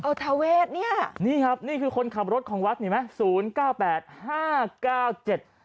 ทาเวทเนี่ยนี่ครับนี่คือคนขับรถของวัดนี่ไหมศูนย์เก้าแปดห้าเก้าเจ็ด